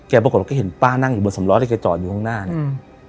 ปรากฏว่าแกเห็นป้านั่งอยู่บนสำล้อแล้วแกจอดอยู่ข้างหน้าเนี่ยอืม